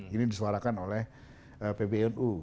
ini disuarakan oleh ppnu